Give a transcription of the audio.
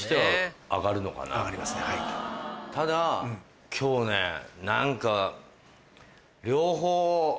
ただ今日ね何か。